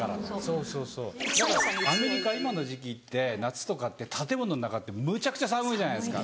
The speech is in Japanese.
そうそうそうだからアメリカ今の時季って夏とかって建物の中ってむちゃくちゃ寒いじゃないですか。